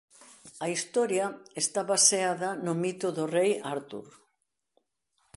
A historia está baseada no mito do Rei Artur.